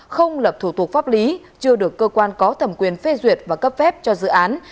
không lập thủ tục pháp lý chưa được cơ quan có thẩm quyền phê duyệt và cấp phép cho dự án